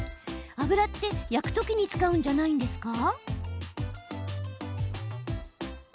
油って、焼く時に使うんじゃないんですか？